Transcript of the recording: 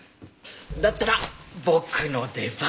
だったら僕の出番。